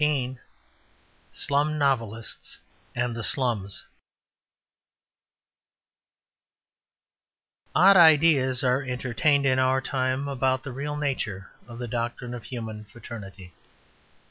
XIX Slum Novelists and the Slums Odd ideas are entertained in our time about the real nature of the doctrine of human fraternity.